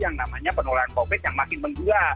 yang namanya penolakan covid yang makin menggila